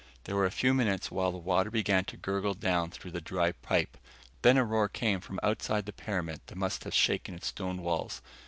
There were a few minutes while the water began to gurgle down through the dry pipe. Then a roar came from outside the pyramid that must have shaken its stone walls.